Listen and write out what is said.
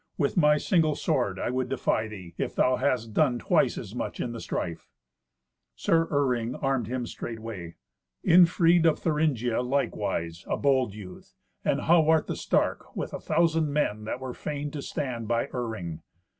With my single sword I would defy thee, if thou hadst done twice as much in the strife." Sir Iring armed him straightway. Irnfried of Thuringia, likewise, a bold youth, and Hawart the stark, with a thousand men that were fain to stand by Iring.